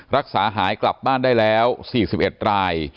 รักษาหายกลับบ้านได้แล้ว๔๑ราย